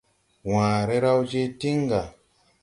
Waare raw je tiŋ ga.